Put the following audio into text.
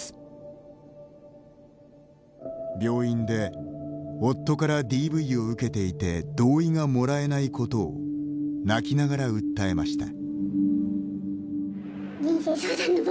病院で、夫からＤＶを受けていて同意がもらえないことを泣きながら訴えました。